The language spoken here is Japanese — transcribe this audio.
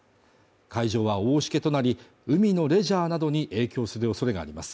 海上は大しけとなり海のレジャーなどに影響するおそれがあります